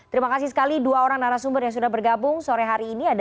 terima kasih sekali dua orang narasumber yang sudah bergabung sore hari ini